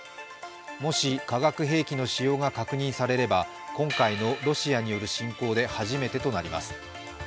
もし化学兵器の使用が確認されれば今回のロシアによる侵攻で初めてとなります。